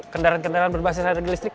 kendaraan kendaraan berbasis energi listrik